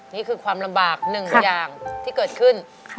นี่คือความลำบากหนึ่งอย่างที่เกิดขึ้น